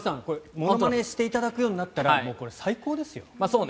ものまねしていただくようになったら最高ですね。